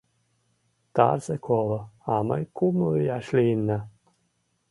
— Тарзе коло, а мый кумло ияш лийынна.